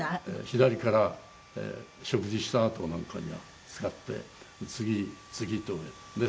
左から食事したあとなんかには使って次次とね。